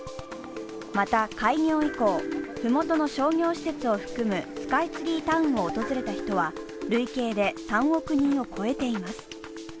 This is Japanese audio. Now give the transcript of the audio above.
また、開業以降、麓の商業施設を含むスカイツリータウンを訪れた人は累計で３億人を超えています。